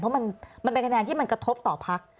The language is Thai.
เพราะมันเป็นคะแนนที่มันกระทบต่อพัก